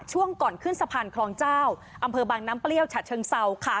ช่วงก่อนขึ้นสะพานคลองเจ้าอำเภอบางน้ำเปรี้ยวฉะเชิงเซาค่ะ